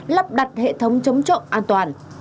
lắp đặt hệ thống chống trộm an toàn